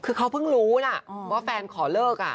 คือเขาเพิ่งรู้นะว่าแฟนขอเลิก